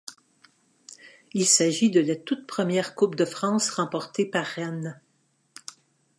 Il s'agit de la toute première Coupe de France remportée par Rennes.